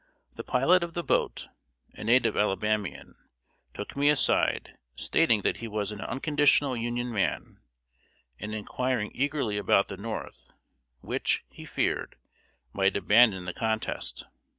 The pilot of the boat, a native Alabamian, took me aside, stating that he was an unconditional Union man, and inquiring eagerly about the North, which, he feared, might abandon the contest.